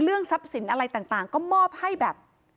ทรัพย์สินอะไรต่างก็มอบให้แบบ